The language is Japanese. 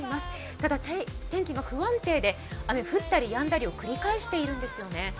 ただ、天気が不安定で、雨降ったりやんだりを繰り返しているんですよね。